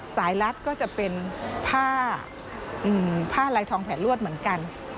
รัดก็จะเป็นผ้าผ้าลายทองแผลลวดเหมือนกัน